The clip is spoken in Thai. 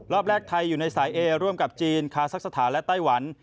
รอบแรกไทยอยู่ในสายเอร่วมกับจีนคาซักสถานและไต้หวัน